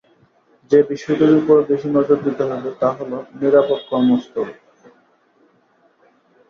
যে বিষয়টির ওপর বেশি নজর দিতে হবে তা হলো নিরাপদ কর্মস্থল।